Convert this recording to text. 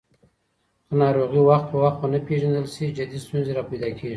که ناروغي وخت په وخت ونه پیژندل شي، جدي ستونزې راپیدا کېږي.